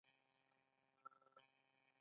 آیا دوی نه غواړي چې سیمه ییز مرکز شي؟